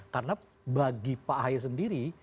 karena bagi pak ahaya sendiri